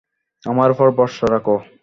আমার উপর ভরসা রাখো।